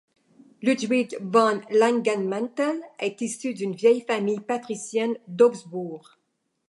Ludwig von Langenmantel est issu d'une vieille famille patricienne d'Augsbourg.